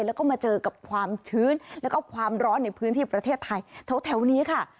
แล้วก็มาเจอกับความชื้นแล้วก็ความร้อนในพื้นที่ประเทศไทยแถวนี้ค่ะ